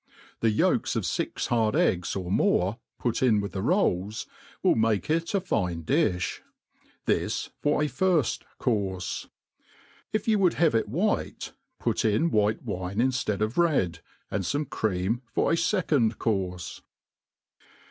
The yolks of fix hard eggs, or more, put ki with the rolls, will make it a fine diih. This for a firft courfe* If )pou'wottld have it white, put in white wine inftcad. of ltd, and fome cream for a fecond courle.